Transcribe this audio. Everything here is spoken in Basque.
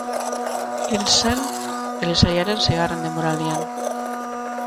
Hil sen telesailaren seigarren denboraldian.